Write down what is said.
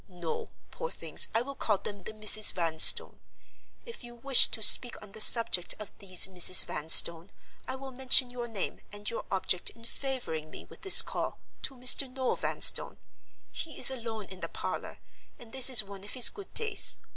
no, poor things, I will call them the Misses Vanstone.—If you wish to speak on the subject of these Misses Vanstone, I will mention your name, and your object in favoring me with this call, to Mr. Noel Vanstone. He is alone in the parlor, and this is one of his good days.